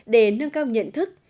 để nâng cao nhận thức